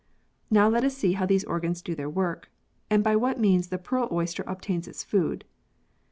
Now let us see how these organs do their work and by what means the pearl oyster obtains its food.